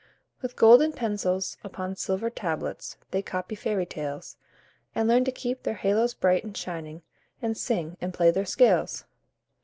With golden pencils upon silver tablets, They copy fairy tales, And learn to keep their halos bright and shining, And sing, and play their scales.